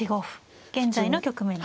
現在の局面ですね。